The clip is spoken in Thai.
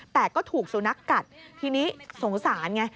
แต่ก็ถูกสุนัขกัดทีนี้สงสารไง